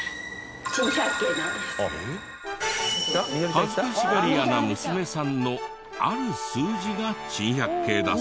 恥ずかしがり屋な娘さんのある数字が珍百景だそうで。